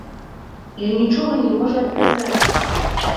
Ён нічога не можа адказаць.